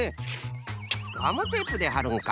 ガムテープではるんか。